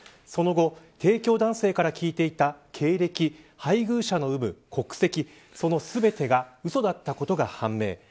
その後提供男性から聞いていた経歴配偶者の有無、国籍その全てがうそだったことが判明。